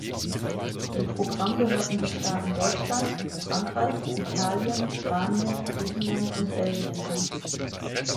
Dem Programm gehörten die Staaten Deutschland, Frankreich, Italien, Spanien, Griechenland und Belgien an.